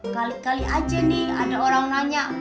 kali kali aja nih ada orang nanya